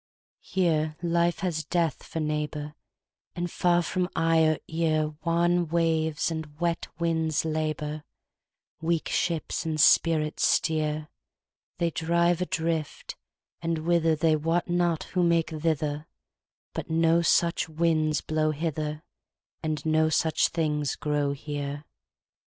Here life has death for neighbor, And far from eye or earWan waves and wet winds labor, Weak ships and spirits steer; They drive adrift, and whitherThey wot not who make thither; But no such winds blow hither, And no such things grow here.